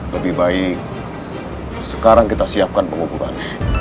lebih baik sekarang kita siapkan penguburannya